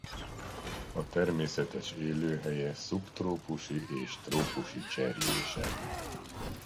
A természetes élőhelye szubtrópusi és trópusi cserjések.